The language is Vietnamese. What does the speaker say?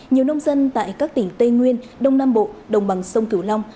nhiều nông dân tại các tỉnh tây nguyên đông nam bộ đồng bằng sông cửu long